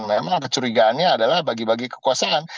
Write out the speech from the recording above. memang kecurigaannya adalah bagi bagi kekuasaan